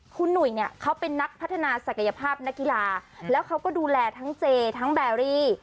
คุณหนุ่ยเนี่ยเขาเป็นนักพัฒนาศักยภาพนักกีฬาแล้วเขาก็ดูแลทั้งเจทั้งแบรี่